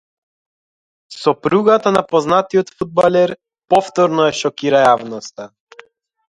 Сопругата на познатиот фудбалер повторно ја шокира јавноста